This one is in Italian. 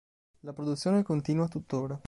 La produzione continua tuttora.